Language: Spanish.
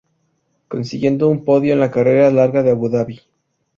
Consiguiendo un podio en la carrera larga de Abu Dhabi.